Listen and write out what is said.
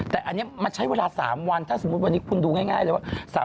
แต่อันนี้มันใช้เวลา๓วันถ้าสมมุติวันนี้คุณดูง่ายเลยว่า